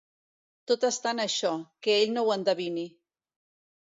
Tot està en això: que ell no ho endevini.